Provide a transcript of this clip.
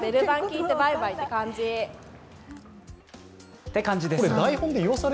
って感じです。